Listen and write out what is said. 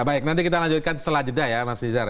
baik nanti kita lanjutkan setelah jeda ya mas nizar